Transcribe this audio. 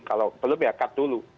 kalau belum ya cut dulu